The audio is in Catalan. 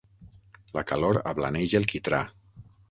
La calor ablaneix el quitrà.